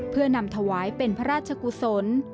เพื่อนำถวายเป็นพระราชกุศล